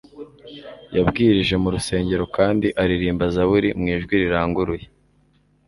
yabwirije mu rusengero kandi aririmba zaburi mu ijwi riranguruye